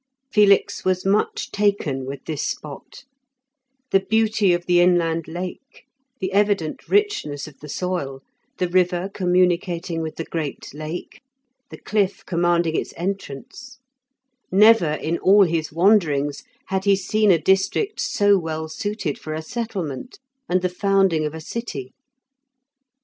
Felix was much taken with this spot; the beauty of the inland lake, the evident richness of the soil, the river communicating with the great Lake, the cliff commanding its entrance; never, in all his wanderings, had he seen a district so well suited for a settlement and the founding of a city.